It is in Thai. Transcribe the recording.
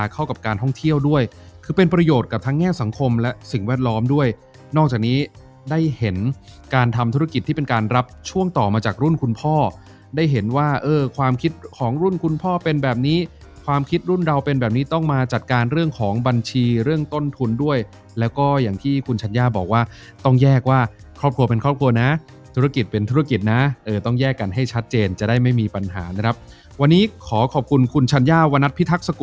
กับการท่องเที่ยวด้วยคือเป็นประโยชน์กับทั้งแง่สังคมและสิ่งแวดล้อมด้วยนอกจากนี้ได้เห็นการทำธุรกิจที่เป็นการรับช่วงต่อมาจากรุ่นคุณพ่อได้เห็นว่าเออความคิดของรุ่นคุณพ่อเป็นแบบนี้ความคิดรุ่นเราเป็นแบบนี้ต้องมาจัดการเรื่องของบัญชีเรื่องต้นทุนด้วยแล้วก็อย่างที่คุณฉันย่าบอกว่าต้